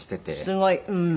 すごい。